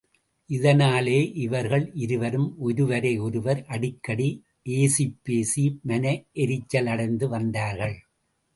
இதனாலே இவர்கள் இருவரும் ஒருவரை ஒருவர் அடிக்கடி ஏசிப்பேசி மன எரிச்சல் அடைந்து வந்தார்கள்.